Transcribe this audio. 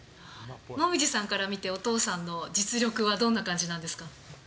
椛さんから見て、お父さんの実力はどんな感じなんですか。